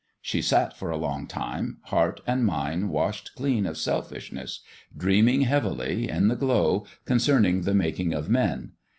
She sat for a long time, heart and mind washed clean of selfishness, dreaming heavily, in the glow, con cerning the making of Men.